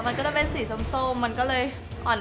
มันก็จะเป็นสีส้มมันก็เลยอ่อน